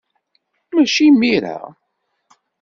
Maci imir-a!